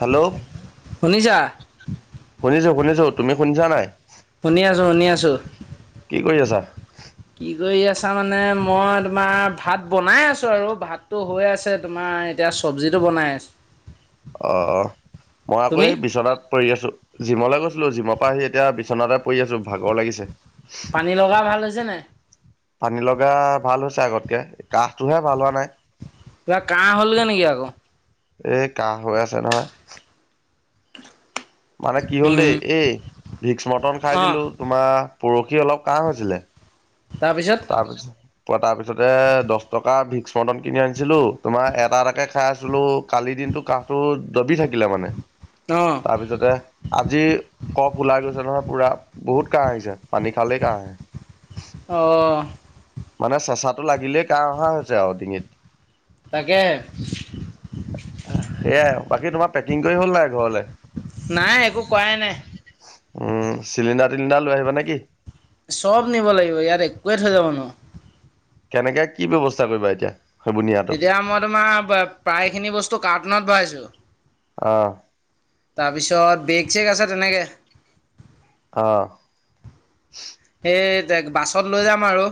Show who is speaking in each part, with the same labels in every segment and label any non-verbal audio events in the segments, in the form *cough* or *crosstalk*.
Speaker 1: Hello.
Speaker 2: শুনিছা।
Speaker 1: শুনিছো, শুনিছো তুমি শুনিছা নে নাই।
Speaker 2: শুনি আছোঁ, শুনি আছোঁ।
Speaker 1: কি কৰি আছা?
Speaker 2: কি কৰি আছা মানে মই তোমাৰ ভাত বনাই আছোঁ আৰু ভাতটো হৈ আছে তোমাৰ এতিয়া চব্জিটো বনাই আছেঁ।
Speaker 1: অ', অ', মই আকৌ
Speaker 2: তুমি
Speaker 1: এই বিচনাত পৰি আছো জিমলৈ গৈছিলো জিমৰ পৰা আহি এতিয়া বিচনাতে পৰি আছো ভাগৰ লাগিছে।
Speaker 2: পানী লগা ভাল হৈছে নে নাই।
Speaker 1: পানী লগা ভাল হৈছে আগতকে কাহটোহে ভাল হোৱা নাই।
Speaker 2: কিবা কাহ হ'লগে নেকি আকৌ।
Speaker 1: এ, কাহ হৈ আছে নহয়। মানে কি হ'ল দেই
Speaker 2: উম
Speaker 1: এই ভিক্স মটন খাই
Speaker 2: অ
Speaker 1: দিলো তোমাৰ পৰহি অলপ কাহ হৈছিলে।
Speaker 2: তাৰপিছত
Speaker 1: তাৰপিছত কোৱা তাৰ পিছতে দহ টকাৰ ভিক্স মটন কিনি আনিছিলো তোমাৰ এটা, এটাকে খাই আছিলো। কালি দিনটো কাহটো দবি থাকিলে মানে।
Speaker 2: অ'।
Speaker 1: তাৰপিছতে আজি কফ ওলাই গৈছে নহয় পুৰা বহুত কাহ আহিছে পানী খালেই কাহ আহে।
Speaker 2: অ'।
Speaker 1: মানে চেচাটো লাগিলেই কাহ অহা হৈছে আৰু ডিঙিত
Speaker 2: তাকে
Speaker 1: সেয়াই বাকী তোমাৰ পেকিং কৰি হ'ল নাই ঘৰলে
Speaker 2: নাই একো কৰাই নাই।
Speaker 1: উম, চিলিণ্ডাৰ, টিলিণ্ডাৰ লৈ আহিবা নেকি।
Speaker 2: চব নিব লাগিব ইয়াত একোৱে থৈ যাব নোৱাৰো।
Speaker 1: কেনেকে কি ব্যৱস্থা কৰিবা এতিয়া। সেইবোৰ নিয়াটো
Speaker 2: এতিয়া মই তোমাৰ প্ৰায়খিনি বস্তু কাৰ্টুনত ভৰাইছোঁ।
Speaker 1: অ'।
Speaker 2: তাৰপিছত বেগ, চেক আছে তেনেকৈ।
Speaker 1: অ'।
Speaker 2: সেই বাছত লৈ যাম আৰু।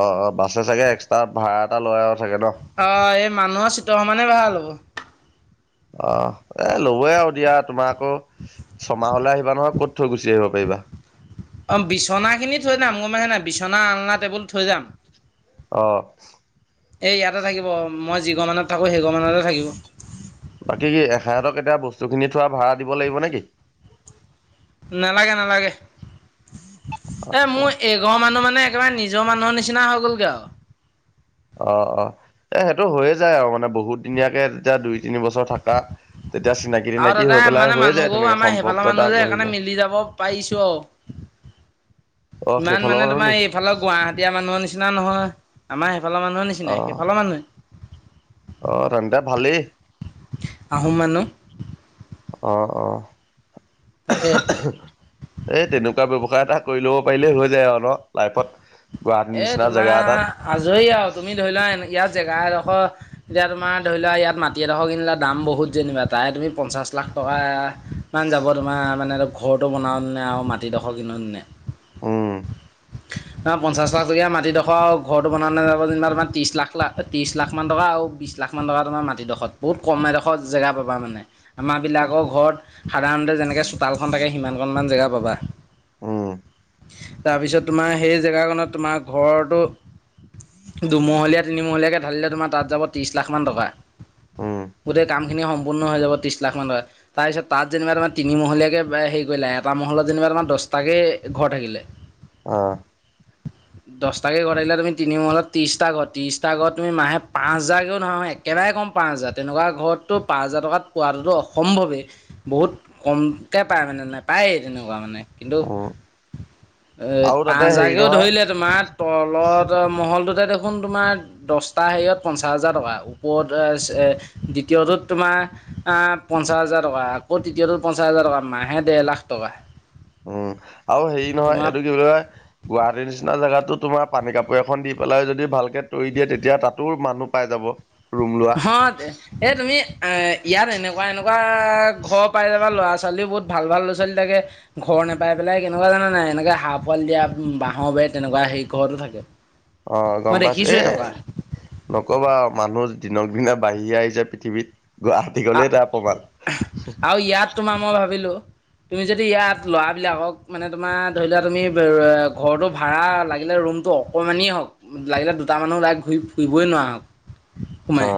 Speaker 1: অ', অ', বাছে চাগে এক্সট্ৰা ভাড়া এটা লৈ আৰু চাগে ন
Speaker 2: অ, এই মানুহৰ চিতৰ সমানে ভাল হ'ব।
Speaker 1: অ, এ, ল'বই আৰু দিয়া তোমাৰ আকৌ ছমাহলৈ আহিবা নহয় ক'ত থৈ গুচি আহিব পাৰিবা।
Speaker 2: অ, বিছনাখিনি থৈ যাম গমাই নাই বিছনা আলনা টেবুল থৈ যাম।
Speaker 1: অ'।
Speaker 2: এই ইয়াতে থাকিব মই যিগৰ মমানত থাকোঁ সেইগৰ মমানতে থাকিব।
Speaker 1: বাকী কি এসহাঁতক এতিয়া বস্তু খিনি থোৱা ভাড়া দিব লাগিব নেকি?
Speaker 2: নালাগে, নালাগে এ
Speaker 1: আচ্ছা
Speaker 2: মোৰ এই আগৰ মানু মানেবাৰে নিজৰ মানুহ নিচনা হৈ গলগৈ আৰু।
Speaker 1: অ', অ', এ সেইটো হৈয়ে যায় আৰু মানে বহুত দিনীয়াকে এতিয়া দুই তিনি বছৰ থকা তেতিয়া চিনাকি,
Speaker 2: আৰু
Speaker 1: তিনকি
Speaker 2: দাদা
Speaker 1: হৈ পেলাই
Speaker 2: মানে
Speaker 1: হৈয়ে যায়
Speaker 2: মানুহঘৰো
Speaker 1: তেনেকে
Speaker 2: আমাৰ
Speaker 1: সম্পৰ্ক
Speaker 2: সেইফালৰ মানুহ
Speaker 1: এটা
Speaker 2: যে সেইকাৰণে
Speaker 1: গৰিলে।
Speaker 2: মিলি যাব পাৰিছোঁ আৰু
Speaker 1: অ, খে ফল বন নিকি?
Speaker 2: ইফালৰ গুৱাহাটীয়া মানুহৰ নিচিনা নহয় আমাৰ সেইফালৰ মানুহৰ নিচিনা
Speaker 1: অ',
Speaker 2: সেইফালৰ মানুহে।
Speaker 1: অ, তেন্তে ভালেই।
Speaker 2: আহোম মানহ
Speaker 1: অ', অ'।
Speaker 2: তাকে।
Speaker 1: এই তেনেকুৱা ব্যৱসায় এটা কৰি ল'ব পাৰিলেই হৈ যায় আৰু ন লাইফত। গুৱাহাটীৰ
Speaker 2: এ
Speaker 1: নিচিনা জেগা এটাত
Speaker 2: তোমাৰ আজৰি আৰু তুমি ধৰি লোৱা ইয়াত জেগা এডোখৰ এতিয়া তোমাৰ ধৰি লোৱা ইয়াত মাটি এডোখৰ কিনিলা দাম বহুত যেনিবা তাই তুমি পঞ্চাছ লাখ টকা ইমান যাব তোমাৰ মানে ঘৰটো বনাও নি নে আৰু মাটিডোখৰ কিনো নে।
Speaker 1: উম।
Speaker 2: পঞ্চাছ লাখটকীয়া মাটিডোখৰটো বন ন যাব যেনিবা তাৰ ত্ৰিছ লাখ লা ত্ৰিছ লাখান টকা আৰু বিশছ লাখ। ইমান টকা তমাৰাটিডোখৰত বহুত কম এডোৰ জেগা পাবা মানে। আমাৰাবিলাকৰ ঘৰত সাধাৰণতে যেনেকৈ চোতালখন থাকে সিমানকণমান জেগা পাবা।
Speaker 1: উম,
Speaker 2: তাৰপিছত তোমাৰ সেই জেগাখনত তোমাৰ ঘৰটো দুমহলীয়া, তিনিমহলীয়াকে ঢালিলে তোমাৰ তাত যাব ত্ৰিশ লাখ মান টকা
Speaker 1: উম,
Speaker 2: গোটেই কামখিনি সম্পূৰ্ণ হৈ যাব ত্ৰিছ লাখমানান টকা। তাৰপিছত তাত যেনিবা তাৰমাৰ তিনি মহলীয়াকে হেৰি কৰিলে এটা মহলত যেনিবা তাৰ দহটাকে ঘৰ থাকিলে।
Speaker 1: অ'।
Speaker 2: দহটাকৈ ঘৰত থিল তমি তিনি মূল ত্ৰিছটা ঘ ত্ৰিছটা ঘ তমি মে পাঁ হাজাৰকও ধৰা এক কেবাৰে ক'ম পাঁচ হাজাৰ তেনেকুৱা ঘৰততো পাঁচ হাজাৰ টকাত পোৱাটোতো অসম্ভৱে। বহুত কমকে পায় মানে নাই পায়েই তেনেকুৱা মানে কিন্তু
Speaker 1: উম,
Speaker 2: অ,
Speaker 1: আৰু তাতে
Speaker 2: পাঁচ
Speaker 1: হেৰি
Speaker 2: হাৰ
Speaker 1: নহয়
Speaker 2: তোমাৰ তলত মহলটোতে দেখোন তোমাৰ দহটা হেৰিয়ত পঞ্চাছ হাজাৰ টকা ওপৰত দ্বিতীয়টোত তোমাৰ আহ পঞ্চাছ হাজাৰটকা আকৌ ততিয়টো পঞ্চাছ হাজাৰ টকা মাহাহে দেৰ লাখ টকা।
Speaker 1: উম, আৰু হেৰি নহয়
Speaker 2: তোমাৰ
Speaker 1: এইটো কি বুলি কয় গুৱাহাটীৰ নিচিনা জেগাতো তোমাৰ পানী কাপোৰ এখন দি পেলাই যদি ভালকে তৰি দিয়ে তেতিয়া তাতো মানুহ পাই যাব। ৰুম লোৱা
Speaker 2: হ, এ তুমি এ ইয়াত এনেকুৱা, এনেকুৱা ঘৰ পাই যাবা ল'ৰা-ছোৱালী বহুত ভাল, ভাল ল'ৰা-ছোৱালী থাকে। ঘৰ নোপাই পেলাই কেনেকুৱা জানে নাই এনেকে হহ পোৱাল দিয়া বাঁহৰ বে তেনেকুৱা সেই ঘৰতো থাকে।
Speaker 1: অ,
Speaker 2: মই
Speaker 1: গম পাইছো এ
Speaker 2: দেখিছোঁৱেই থকা
Speaker 1: নকবা মানুহ দিনক দিনা বাঢ়ি আহিছে পৃথিৱীত গুৱাহাটী গলেই তাৰ অপমাণ
Speaker 2: আৰু ইয়াত তোমাৰ মই ভাবিলো তুমি যদি ইয়াত ল'ৰাবিলাকক মানে তোমাৰ ধৰি লোৱা তুমি ঘৰটো ভাড়া লাগিলে ৰুমটো অকণমানেই হওক লাগিলে দুটা মানুহ লাইক ঘূৰি ফুৰিই নোৱাৰক
Speaker 1: অ
Speaker 2: সোমাই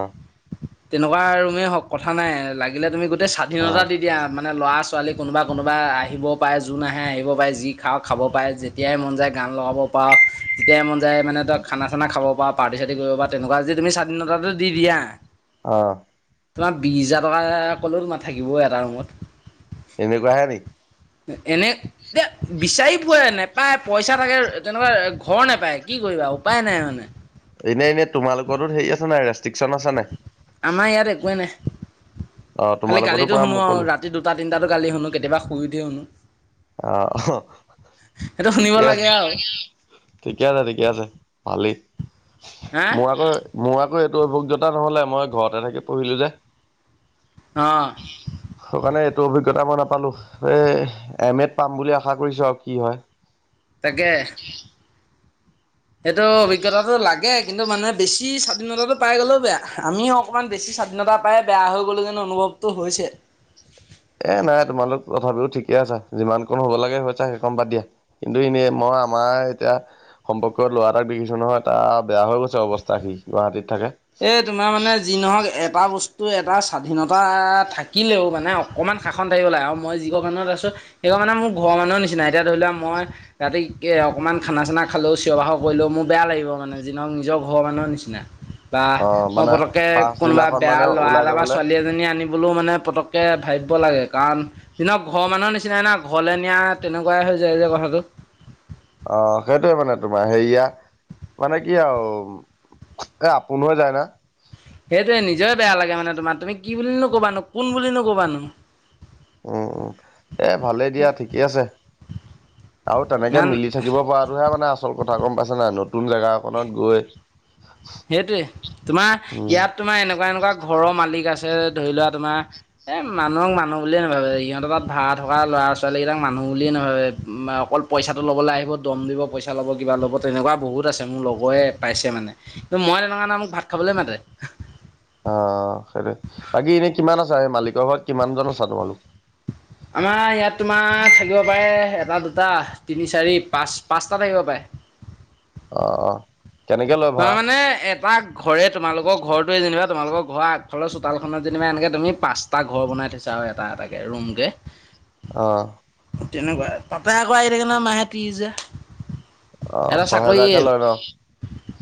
Speaker 2: তেনেকুৱা ৰুমেই হওক কথা নাই লাগিলে তুমি গোটেই
Speaker 1: অ
Speaker 2: স্বাধীনতা দি এতিয়া মানে ল'ৰা-ছোৱালী কোনোবা, কোনোবা আহিব পাৰে যোন আহে আহিব পাৰে যি খাওঁক খাব পাৰে। তেতিয়াই মন যায় গান লগাব পৰা তেতিয় মন যায় মানে ত খানা, চানা খাব পা-প্টি-চাৰ্টি কৰিব পা তেনেকুৱা যে তুমি স্বাধীনতটো দি দিয়া।
Speaker 1: অ'।
Speaker 2: তোমাৰ বিশ হাজাৰ টকা ক'লেও তোমাৰ থাকিব এটা ৰুমত।
Speaker 1: এনেকুৱাহে নেকি।
Speaker 2: এনে এ, বিচাৰি পাই নাপায়। পইচা থাকে তেনেকুৱা ঘৰ নোপায় কি কৰিবা উপায় নাই মানে।
Speaker 1: এনেই, এনেই তোমালোকৰো হেৰি আছে নাই ৰেষ্ট্ৰিকশ্যন আছে নাই।
Speaker 2: আমাৰ ইয়াত একোৱেই নাই
Speaker 1: অ
Speaker 2: খালি
Speaker 1: তোমালোকৰতো
Speaker 2: গালিটো
Speaker 1: পুৰা
Speaker 2: শুনো আৰু
Speaker 1: মুকলি
Speaker 2: ৰা ৰাতি দুটা, তিটাত গাল শু কেতিাবা শু উঠি শু
Speaker 1: আহ
Speaker 2: সেইটো শুনিব
Speaker 1: ঠিকে আছে
Speaker 2: লাগে
Speaker 1: *unintelligible*
Speaker 2: আৰু
Speaker 1: ঠিকে আছে, ঠিকে আছে ভালেই
Speaker 2: হা
Speaker 1: মই আকৌ মোৰ আকৌ এইটো অভিজ্ঞতা নহ'লে মই ঘৰতে থাকি পঢ়িলোঁ যে।
Speaker 2: অ'।
Speaker 1: সেইকাৰণে এইটো অভিজ্ঞতা মই নাপালোঁ। এ, এম এড পাম বুলি আশা কৰিছো আৰু কি হয়
Speaker 2: তাকে। এইটো অভিজ্ঞতাটো লাগে। কিন্তু মুহে বেছি স্বাধীনতাটো পাই গ'লেও বেয়া। আমিও অকণমান বেছি স্বাধীনতা পাই বেয়া হৈ গ'ল কিন্তো অনুভৱ টো হৈছে।
Speaker 1: এ, নাই তোমালোক তথাপিও ঠিকে আছা। যিমানকণ হ'ব লাগে সেইকণ বাদ দিয়া। কিন্তু এনেই মই আমাৰ এতিয়া সম্পৰ্ক ল'ৰাটাক বিখিছো নহয় তাৰ বেয়া হৈ গৈছে অৱস্থা, সি গুৱাহাটীত থাকে।
Speaker 2: এ, তোমাৰ মানে যি নহওক এটা বস্তু এটা স্বাধীনতা থাকিলেও মানে অকণমান শা খন থাকিব লাগে আৰু মই যিঘৰ মানুহৰ আছো সেইঘৰ মোৰ ঘৰৰ মানুহৰ নিচিনা। এতিয়া ধৰি লোৱা মই ৰাতি অকণমান খানা চানা খালেও, চিঞ বাহৰ কৰিলেও, মোৰ বেয়া লাগিব মানে যিনক নিজৰ ঘৰৰ মানুহৰ নিচিনা। বা
Speaker 1: অ
Speaker 2: মই
Speaker 1: মানে
Speaker 2: পটটকে কোনোবা
Speaker 1: পাছদিনাখন
Speaker 2: বেয়া
Speaker 1: মানে
Speaker 2: ল'ৰা
Speaker 1: ওলাই
Speaker 2: এটা বা
Speaker 1: যাবলে
Speaker 2: ছোৱালী এজনী আনি বুলো মানে পটককে ভাবিব লাগে কাৰণ দিনৰ ঘৰৰ মানুহৰ নিচিনাই না, ঘৰলৈ নিয়া তেনেকুৱাই হৈ যায় যে কথাটো।
Speaker 1: অ' সেইটোয়ে মানে তোমাৰ, হেয়া মানে কি আৰু এ, আপোনে যায় না?
Speaker 2: সেইটোৱে নিজে বেয়া লাগে, মানে তোমাৰ তুমি কি বুলি নো কবানো কোন বুলি নো ক'বানো।
Speaker 1: উম, উম।। এ, ভালেই দিয়া ঠিকেই আছে। আৰু তেনেকে
Speaker 2: ইমান
Speaker 1: মিলি থাকিব পৰাটোহে মানে আ আচল কথা গম পাইছে নাই? নতুন জেগা এখনত গৈ
Speaker 2: সেইটোৱে। তোমাৰ
Speaker 1: উম
Speaker 2: ইয়াত তোমাৰ এনেকুৱা এনেকুৱা ঘৰৰ মালিক আছে ধৰি লোৱা তোমাৰ এ, মানুহক মানুহ বুলিয়ে নাভাবে, সিহঁত তাত ভাড়া থকা ল'ৰা ছোৱালী কেইটাক মানুহ বুলিয়ে নাভাবে অকল পইচাটো ল'বলৈ আহিব, দম দিব পইচা ল'ব, কিবা ল'ব তেনেকুৱা বহুত আছে, মোৰ লগৰে পাইছে মানে। মই তেনেকুৱানা মোক ভাত খাবলৈ মাতে।
Speaker 1: অ' সেইটোৱে, বাকী এনে কিমান আছা এই মালিকৰ ঘৰত কিমানজন আছা তোমালোক?
Speaker 2: আমাৰ ইয়াত তোমাৰ থাকিব পাৰে এটা দুটা তিনি চাৰি পাঁচ পাঁচটা থাকিব পাৰে।
Speaker 1: অ', অ'। কেনেকে লয় ভাড়া
Speaker 2: তাৰমানে এপাক ঘৰে তোমালৰ ঘৰটোৱে যেনিবা, তোমালোকৰ ঘৰ আগফালৰ চোতালখনত যেনিবা এনেকৈ তুমি পাচ টা ঘৰ বনাই থৈছা আৰু এটা এটাকে ৰুমকে।
Speaker 1: অ'।
Speaker 2: তেনেকুৱাই। তাতে আকৌ আহি থাকে না মাহে তিৰিছ হাজাৰ।
Speaker 1: অ'
Speaker 2: এটা চাকৰি
Speaker 1: চহেজাৰকে লৈ ন'?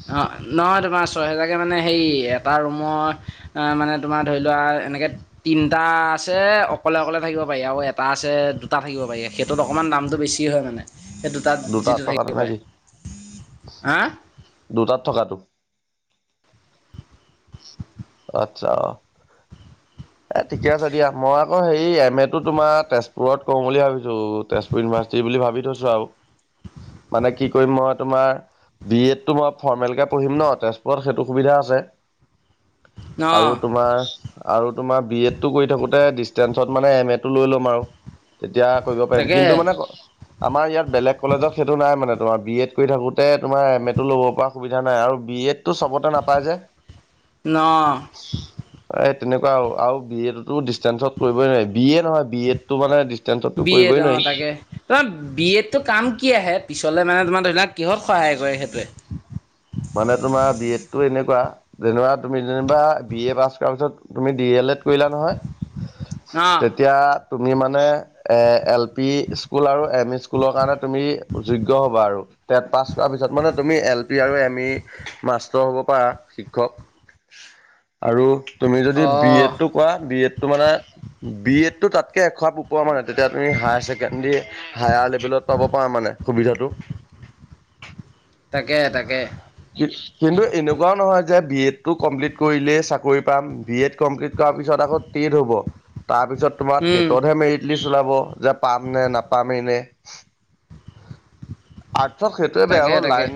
Speaker 2: অ' নহয় তোমাৰ ছয়হেজাৰকৈ মানে হেৰি এটা ৰুমৰ মানে তোমাৰ ধৰি লোৱা এনেকে তিনটা আছে অকলে অকলে থাকিব পাৰি, আৰু এটা আছে দুটা থাকিব পাৰি। সেইটোত অকণমান দামটো বেছি হয়, মানে সেই দুটাত যিটো
Speaker 1: থকাটো
Speaker 2: থাকিব
Speaker 1: নে
Speaker 2: পাৰে,
Speaker 1: কি
Speaker 2: হাঁ?
Speaker 1: দুটাত থকাটো? আচ্ছা অ'। এ, ঠিকে আছে দিয়া, মই আকৌ হেৰি এম এটো তোমাৰ তেজপুৰত কৰোঁ বুলি ভাবিছোঁ, তেজপুৰ ইউনিভাৰ্চিটি বুলি ভাবি থৈছোঁ আৰু। মানে কি কৰিম মই তোমাৰ বি এডটো মই ফৰ্মেলকে পঢ়িম ন', তেজপুৰত সেইটো সুবিধা আছে।
Speaker 2: ন
Speaker 1: আৰু তোমাৰ আৰু তোমাৰ বি এডটো কৰি থাকোতে ডিচেটেঞ্চত মানে এম এটো লৈ ল'ম আৰু। তেতিয়া কৰিব পাৰিম
Speaker 2: তাকে
Speaker 1: কিন্তু মানে আমাৰ ইয়াত বেলেগ কলেজত সেইটো নাই, মানে তোমাৰ বি এড কৰি থাকোঁতে তোমাৰ এম এটো ল'ব পৰা সুবিধা নাই আৰু বি এড টো চবতে নাপায় যে।
Speaker 2: ন'?
Speaker 1: এই তেনেকুৱা আৰু বি এডটোতো ডিচষ্টেঞ্চত কৰিবই নোৱাৰি। বি এ নহয় বি এড। টো মানে ডিচষ্টেঞ্চততো
Speaker 2: বি এড
Speaker 1: কৰিবই
Speaker 2: অ
Speaker 1: নোৱাৰি।
Speaker 2: তাকে তোমাৰ বি এডটো কাম কি আহে পিছলৈ মানে তোমাৰ ধৰি লোৱা কিহত সহায় কৰে সেইটোৱে?
Speaker 1: মানে তোমাৰ বি এডতো এনেকুৱা যেনিবা তুমি যেনিবা বি এ পাছ কৰা পিছত তুমি ডি এল এড কৰিলা নহয়
Speaker 2: ন
Speaker 1: তেতিয়া তুমি মানে এ, এল পি স্কুল আৰু এম ই স্কুলৰ কাৰণে তুমি যোগ্য হ'বা আৰু টেট্ পাছ কৰাৰ পিছত মানে তুমি এল পি আৰু এম আমি মাষ্টৰ হ'ব পাৰা শিক্ষক আৰু তুমি যদি
Speaker 2: অ
Speaker 1: বি এডটো কোৱা বি এডটো মানে বি এডতো তাতকে একশাপ ওপৰ মানে তেতিয়া তুমি হায়াৰ ছেকেণ্ডাৰী হায়াৰ লেভেলত পাব পাৰ মানে সুবিধাটো।
Speaker 2: তাকে তাকে।
Speaker 1: *inaudible* কিন্তু এনেকুৱাও নহয় যে বি এডটো কমপ্লিট কৰিলেই চাকৰি পাম। বি এড কমপ্লিট কৰাৰ পিছত আকৌ টেট হ'ব। তাৰপিছত তোমাৰ
Speaker 2: উম
Speaker 1: টেটতহে মেৰিট লিষ্ট ওলাব যে পাম নে নাপামেই নে। আৰ্টচত সেইটোৱে বেয়া
Speaker 2: তাকে
Speaker 1: হ'ল
Speaker 2: তাকে
Speaker 1: লাইন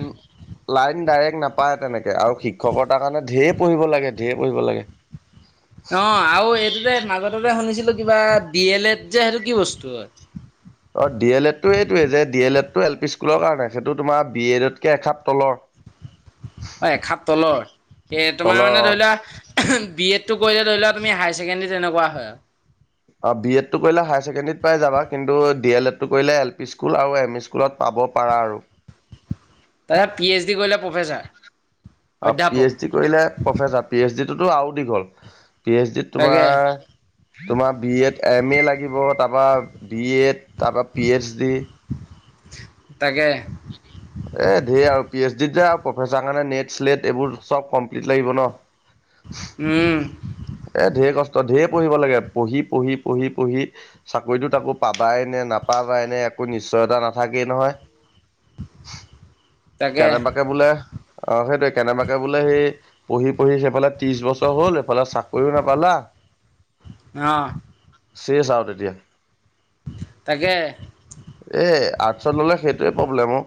Speaker 1: লাইন ডাইৰেক্ট নাপায় তেনেকে আৰু শিক্ষকৰতাৰ কাৰণে ধেৰ পঢ়িব লাগে ধেৰ পঢ়িব লাগে।
Speaker 2: অ', আৰু এইটোতে মাজতেতে শুনিছিলো কিবা ডি এল এড যে সেইটো কি বস্তু হয়।
Speaker 1: অ', ডি এল এডটো এইটোৱে যে ডি এল এডটো এল পি স্কুলৰ কাৰণে সেইটো তোমাৰ বি এডতকে এখাপ তলৰ।
Speaker 2: অ', এ খাপ তলৰ এ তোমাৰ
Speaker 1: তলৰ
Speaker 2: মানে
Speaker 1: অ
Speaker 2: ধৰি লোৱা বি এডটো কৰিলে ধৰি লোৱাক তুমি হায়াৰ ছেকেণ্ডেৰী তেনেকুৱা হয় আৰু।
Speaker 1: অ', বি এডটো কৰিলে হায়াৰ ছেকেণ্ডাৰীত পাই যাবা কিন্তু ডি এল এডটো কৰিলে L P school M E school. স্কুলত পাব পাৰা আৰু।
Speaker 2: তাৰ পি এইচ ডি কৰিলে প্ৰফেচাৰ
Speaker 1: পি
Speaker 2: অধ্যাপক
Speaker 1: এইচ ডি কৰিলে প্ৰফেচাৰ পি এইচ ডিটোতো আৰু দীঘ হ'ল। পি এইচ ডিত
Speaker 2: তাকে
Speaker 1: তোমাৰ তোমাৰ বি এড এম এ লাগিব তাৰপা বি এড তাৰপা পি এইচ ডি।
Speaker 2: তাকে।
Speaker 1: *inaudible* এ ধেৰ আৰু পি এইচ ডিত যে আৰু প্ৰফেচৰ কাৰণে নেট চেল্ট এইবোৰ চ'ব কমপ্লিট লাগিব ন।
Speaker 2: উম।
Speaker 1: এ ঢেৰ কষ্ট ঢেৰ পঢ়িব লাগে পঢ়ি পঢ়ি পঢ়ি পঢ়ি চাকৰিতোত তাকো পাবাই নে নাপাবাই নে একো নিশ্চয়তা নাথাকেই নহয়।
Speaker 2: তাকে
Speaker 1: কেনেবাকে বোলে অ' সেইটোৱেয়ে কেনেবাকে বোলে সেই পঢ়ি পঢ়ি সেইফালে ত্ৰিশ বছৰ হ'ল সেফালে চাকৰিও নাপালা।
Speaker 2: অ'।
Speaker 1: চেছ আৰু আৰু তেতিয়া।
Speaker 2: তাকে।
Speaker 1: এই আৰ্টছত ল'লে সেইটোৱে প্ৰব্লেম অ'।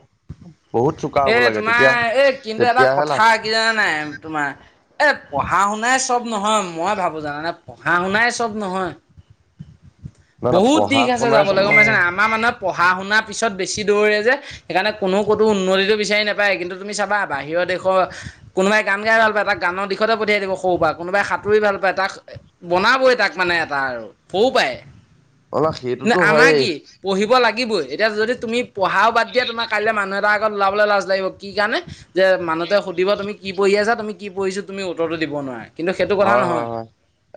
Speaker 1: বহুত চোকা হ'ব
Speaker 2: এ
Speaker 1: লাগে তেতিয়া
Speaker 2: তোমাৰ এ কিন্তু এটা
Speaker 1: তেতিয়াহে লাভ
Speaker 2: কথা কি জানা নাই তোমাৰ এ পঢ়া শুনাই চব নহয়, মই ভাবো জানানে পঢ়া শুনাই চব নহয়।
Speaker 1: নহয় নহয়
Speaker 2: বহুত
Speaker 1: পঢ়া
Speaker 2: দিশ আছে
Speaker 1: শুনাই চব
Speaker 2: যাবলৈ গ'ম পাইছ
Speaker 1: নহয়।
Speaker 2: নে আমাৰ মানুহে পঢ়া শুনাৰ পিছত বেছি দৌৰে যে সেইকাৰণে কোনো ক'তো উন্নতিটো বিচাৰি নাপায়। কিন্তু তুমি চাবা বাহিৰৰ দেশৰ কোনোবাই গান গাই ভাল পায় তাক গানৰ দিশতে পঠিয়াই দিব সৰু পৰা কোনোবাই সাঁতুৰি ভাল পায় তাক বনাবই তাক মানে এটা আৰু সৰুৰ পৰাই।
Speaker 1: অলপ
Speaker 2: কিন্তু
Speaker 1: সেইটোতো
Speaker 2: আমাক
Speaker 1: হয়েই
Speaker 2: কি পঢ়িব লাগিবই। এতিয়া যদি তুমি পঢ়াও বাদ দিয়া। তোমাৰ কাইলে মানুহে আগত ওলাবলৈ লাজ লাগিব কি কাৰণে যে মানুহতে সুধিব তুমি কি পঢ়ি আছা তুমি কি পছে তুমি উত্তৰতো দিব নোৱাৰে।
Speaker 1: হয়, হয়, হয়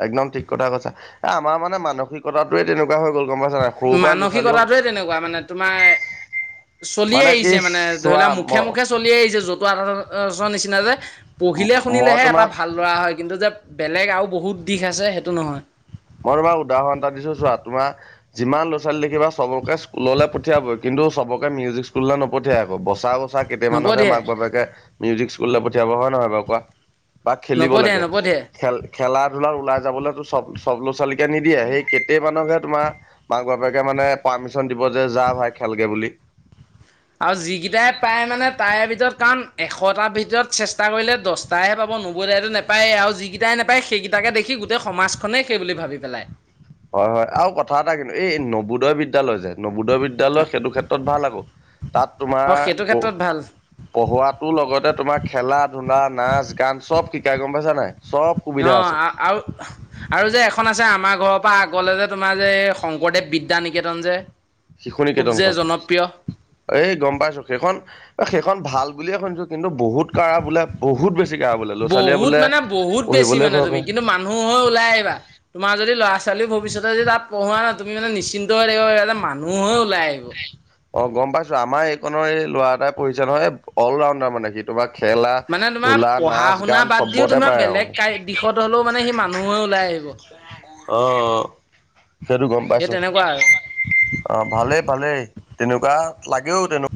Speaker 1: একদম ঠিক কথা কৈছা। এ আমাৰ মানে মানসিক কতাতোৱে তেনেকুৱা হৈ গ'ল গম পাইছা নাই সৰু পৰাই ল'ৰা ছোৱালী
Speaker 2: মানসিকতাটোৱে তেনেকুৱা মানে তোমাৰ চলি
Speaker 1: মানে কি
Speaker 2: আহিছে ধৰি
Speaker 1: চোৱা
Speaker 2: লোৱা
Speaker 1: ম
Speaker 2: মুখে মুখে চলি আহিছে জতুৱা ঠাচৰ নিচিনা যে পঢ়িলে
Speaker 1: মই
Speaker 2: শুনিলেহে এটা
Speaker 1: তোমাক
Speaker 2: ভাল ল'ৰা হয়। কিন্তু যে বেলেগ আৰু বহুত দিশ আছে সেইটো নহয়।
Speaker 1: মই তোমাক উদাহৰণ এটা দিছোঁ চোৱা তোমাৰ যিমান ল'ৰা ছোৱালী দেখিবা চবকে স্কুললৈ পঠিয়াবই কিন্তু চবকে মিউজিক স্কুললৈ নপঠিয়াই কিন্তু বচা বচা কেইটামানকহে
Speaker 2: নপঠিয়াই
Speaker 1: মাক বাপেকে মিউজিক স্কুললৈ পঠিয়াব হয় নহয় বাৰু কোৱা? বা খেলিব
Speaker 2: নপঠিয়াই
Speaker 1: লাগে,
Speaker 2: নপঠিয়াই
Speaker 1: খেল খেলা ধূলাৰ ওলাই যাবলৈতো চব চব ল'ৰা ছোৱালীকে নিদিয়ে সেই কেটেমানকে তোমাৰ মাক বাপেকে মানে পাৰ্মিশন দিব যে যা ভাই খেলগে বুলি।
Speaker 2: আৰু যিকেইটাই পায় মানে তাৰে ভিতৰত কাৰণ এশটাৰ ভিতৰত চেষ্টা কৰিলে দহ তাইহে পাব নুবদাইতো নাপায়েই আৰু যিকেইটাই নাপায় সেইকেইটাকে দেখি গোটেই সমাজখনেই সেই বুলি ভাবি পেলায়।
Speaker 1: হয় হয় আৰু কথা এটা কিন্তু এই নবোদয় বিদ্যালয় যে। নবোদয় বিদ্যালয় সেইটো ক্ষেত্ৰত ভাল আকৌ, তাত তোমাৰ
Speaker 2: অঁ সেইটো ক্ষেত্ৰত ভাল
Speaker 1: পঢ়োৱাতোৰ লগতে তোমাৰ খেলা, ধূলা, নাচ, গান চব শিকাই গম পাইছা নাই। চব সুবিধা
Speaker 2: অঁ
Speaker 1: আছে।
Speaker 2: আৰু আৰু যে এখন আছে আমাৰ ঘৰৰ পৰা আগলে যে তোমাৰ যে এই শংকৰদেৱ বিদ্যা নিকেতন যে।
Speaker 1: শিশু
Speaker 2: খুব যে
Speaker 1: নিকেতনখন
Speaker 2: জনপ্ৰিয়।
Speaker 1: এই গম পাইছোঁ সেইখন, সেইখন ভাল বুলিয়ে শুনিছোঁ। কিন্তু বহুত কাঢ়া বোলে বহুত বেছি কাঢ়া বোলে ল'ৰা ছোৱালীয়ে
Speaker 2: বহুত
Speaker 1: বোলে,
Speaker 2: মানে বহুত বেছি
Speaker 1: পঢ়িবলে
Speaker 2: মানে
Speaker 1: ভয় কৰে।
Speaker 2: *unintelligible* হৈ ওলাই আহিবা। তোমাৰ যদি ল'ৰা ছোৱালীও ভৱিষ্যতে যদি তাত পঢ়োৱা নাই তুমি মানে নিশ্চিন্ত হৈ থাকিব *unintelligible* মানুহ হৈ ওলাই আহিব।
Speaker 1: অ' গম পাইছোঁ আমাৰ এইকনৰ এই ল'ৰা এটাই পঢ়িছে নহয় অলৰাউডাৰ মানে সি। তোমাৰ খেলা
Speaker 2: মানে তোমাৰ
Speaker 1: ধূলা
Speaker 2: পঢ়া
Speaker 1: নাচ
Speaker 2: শুনা
Speaker 1: গান
Speaker 2: বাদ দিওঁ
Speaker 1: চবতে
Speaker 2: তোমাৰ
Speaker 1: পাৰে আৰু
Speaker 2: বেলেগ কাই দীক্ষিত হ'লেও সি মানুহে ওলাই আহিব। *unintelligible*
Speaker 1: অ' সেইটো গম
Speaker 2: সেই
Speaker 1: পাইছোঁ।
Speaker 2: তেনেকুৱা আৰু।
Speaker 1: অ' ভালেই ভালেই তেনেকুৱা লাগেও তেনেক